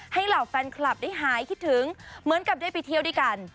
เหล่าแฟนคลับได้หายคิดถึงเหมือนกับได้ไปเที่ยวด้วยกัน